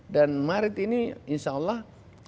dan maret ini insya allah